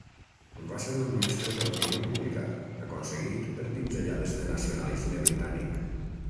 Va ser un mestre de l'opinió pública, aconseguit per pinzellades de nacionalisme britànic.